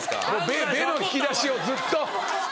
「ベ」の引き出しをずっと。